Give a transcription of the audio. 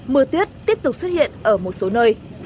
mưa tuyết tiếp tục xuất hiện ở một số nơi